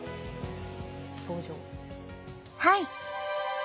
はい！